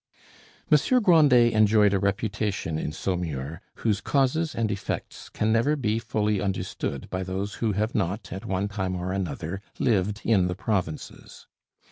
Monsieur Grandet enjoyed a reputation in Saumur whose causes and effects can never be fully understood by those who have not, at one time or another, lived in the provinces.